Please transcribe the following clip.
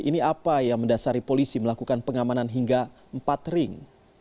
ini apa yang mendasari polisi melakukan pengamanan hingga empat ring